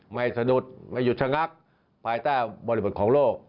สะดุดไม่หยุดชะงักภายใต้บริบทของโลก